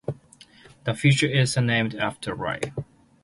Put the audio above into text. The feature is named after Lieut.